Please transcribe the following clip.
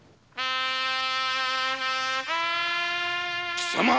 貴様？